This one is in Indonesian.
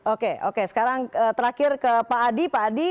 oke oke sekarang terakhir ke pak adi